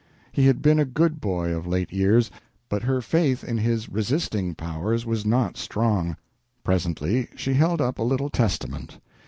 He had been a good boy of late years, but her faith in his resisting powers was not strong. Presently she held up a little Testament.